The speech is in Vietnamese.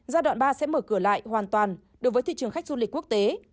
giai đoạn ba sẽ mở cửa lại hoàn toàn đối với thị trường khách du lịch quốc tế